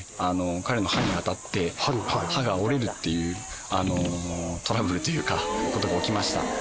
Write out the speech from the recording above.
彼の歯に当たって歯が折れるっていうトラブルというか事が起きました。